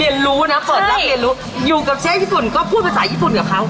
เรียนรู้นะเปิดรับเรียนรู้อยู่กับเชฟญี่ปุ่นก็พูดภาษาญี่ปุ่นกับเขา